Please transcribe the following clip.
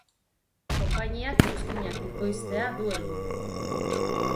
Konpainiak mozkinak bikoiztea du helburu.